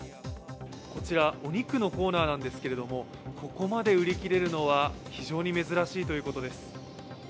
こちらお肉のコーナーなんですけれどもここまで売り切れるのは非常に珍しいということです。